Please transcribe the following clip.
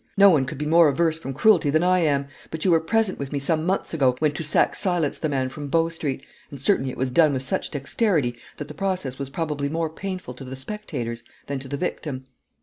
No one could be more averse from cruelty than I am, but you were present with me some months ago when Toussac silenced the man from Bow Street, and certainly it was done with such dexterity that the process was probably more painful to the spectators than to the victim.